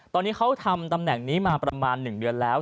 ตอนนี้เขาทำตำแหน่งนี้มาประมาณ๑เดือนแล้ว